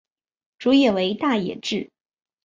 主演为大野智。